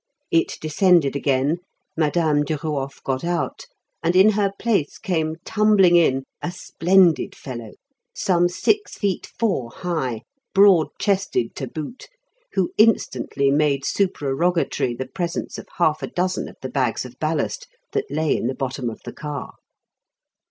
It descended again, Madame Duruof got out, and in her place came tumbling in a splendid fellow, some six feet four high, broad chested to boot, who instantly made supererogatory the presence of half a dozen of the bags of ballast that lay in the bottom of the car.